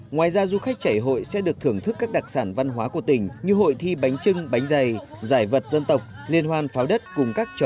ngoài ra du khách chảy hội sẽ được thưởng thức các đặc sản văn hóa của tỉnh như hội thi bánh trưng bánh dày giải vật dân tộc liên hoan pháo đất cùng các trò chơi